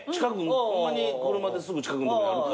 ホンマに車ですぐ近くの所にあるから。